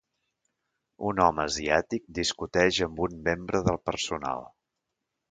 Un home asiàtic discuteix amb un membre del personal.